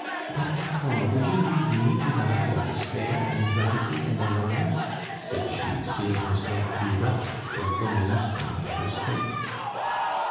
"But, Hector, would you leave me to die of despair, anxiety, and alarms!" said she, seeing herself bereft of the mainspring of her strength.